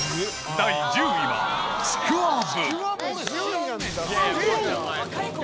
第１０位はちくわぶ。